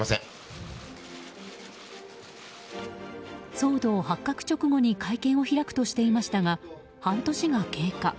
騒動発覚直後に会見を開くとしていましたが半年が経過。